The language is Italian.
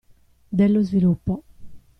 Dello sviluppo.